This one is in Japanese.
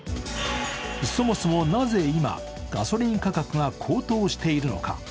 そもそもなぜ、今ガソリン価格が高騰しているのか。